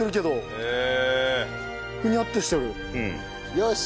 よし！